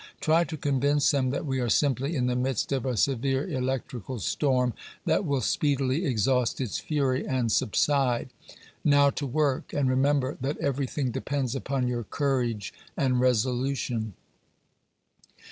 Try to convince them that we are simply in the midst of a severe electrical storm that will speedily exhaust its fury and subside. Now, to work, and remember that everything depends upon your courage and resolution."